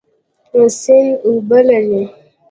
سیند اوبه لري